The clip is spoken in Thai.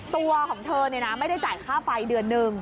ตัวของเธอเนี่ยนะไม่ได้จ่ายค่าไฟเดือนนึง